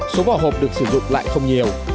số vỏ hộp được sử dụng lại không nhiều